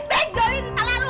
gue pengen benjolin kepala lo